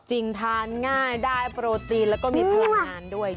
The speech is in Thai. จริงทานง่ายได้โปรตีนแล้วก็มีพลังงานด้วย